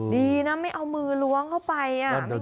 ดีนะไม่เอามือล้วงเข้าไป